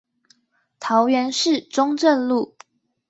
桃園市中正路